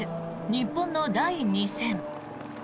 日本の第２戦。